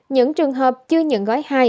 những trường hợp chưa nhận gói hai